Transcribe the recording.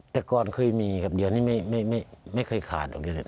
แต่ก่อนเคยมีกับเดียวนี่ไม่เคยขาดตรงนี้เลย